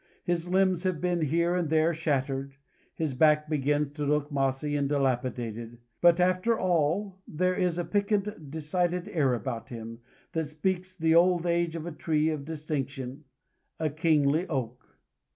His limbs have been here and there shattered; his back begins to look mossy and dilapidated; but after all, there is a piquant, decided air about him, that speaks the old age of a tree of distinction, a kingly oak.